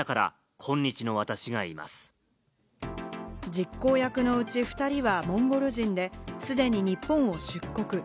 実行役のうち２人はモンゴル人で、既に日本を出国。